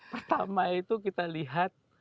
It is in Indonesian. pertama itu kita lihat